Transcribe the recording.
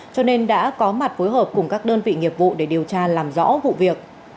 cho nên đã có mặt phối hợp cùng các đơn vị nghiệp vụ để điều tra làm rõ vụ việc